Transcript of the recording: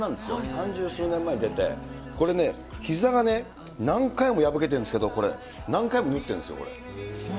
三十数年前に出て、これね、ひざが何回も破けてるんですけど、これ、何回も縫ってるんですよ。